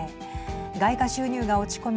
外貨収入が落ち込み